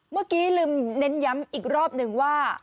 เมื่อกี้ลืมเน้นย้ำอีกรอบหนึ่งว่า